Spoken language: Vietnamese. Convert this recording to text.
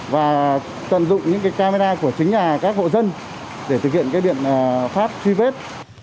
và tận dụng những camera của chính nhà các hộ dân để thực hiện biện pháp truy vết